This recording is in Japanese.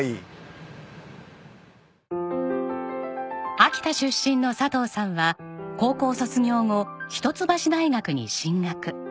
秋田出身の佐藤さんは高校卒業後一橋大学に進学。